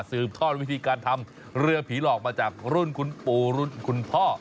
ทอดวิธีการทำเรือผีหลอกมาจากรุ่นคุณปู่รุ่นคุณพ่อ